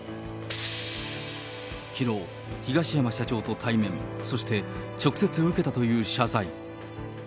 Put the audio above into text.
きのう、東山社長と対面、そして直接受けたという謝罪。